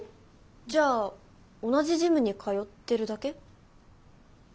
じゃあ同じジムに通ってるだけ？